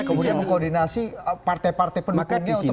kemudian mengkoordinasi partai partai penumpangnya untuk bisa melawan